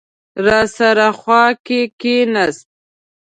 راسره خوا کې کېناست.